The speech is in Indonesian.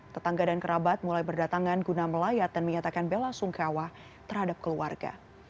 tetangga dan kerabat mulai berdatangan guna melayat dan menyatakan bela sungkawa terhadap keluarga